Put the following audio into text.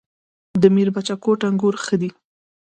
د میربچه کوټ انګور ښه دي